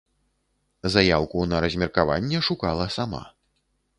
Заяўку на размеркаванне шукала сама.